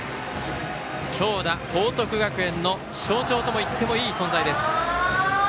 強打、報徳学園の象徴ともいってもいい存在です。